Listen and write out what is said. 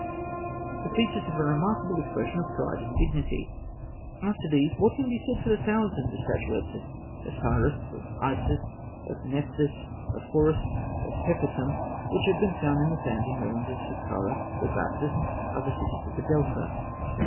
The features have a remarkable expression of pride and dignity. After these, what can be said for the thousands of statuettes of Osiris, of Isis, of Nephthys, of Horus, of Nefertûm, which have been found in the sands and ruins of Sakkarah, Bubastis, and other cities of the Delta?